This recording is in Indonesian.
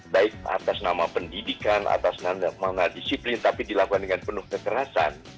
baik atas nama pendidikan atas nama disiplin tapi dilakukan dengan penuh kekerasan